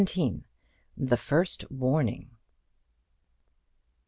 THE FIRST WARNING.